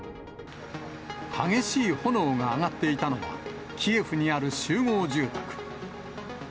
激しい炎が上がっていたのは、キエフにある集合住宅。